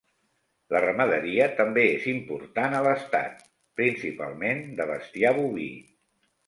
La ramaderia també és important a l'estat, principalment de bestiar boví.